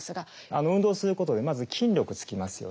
運動することでまず筋力つきますよね。